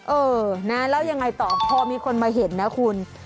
เออนะแล้วยังไงต่อพอมีคนมาเห็นนะคุณ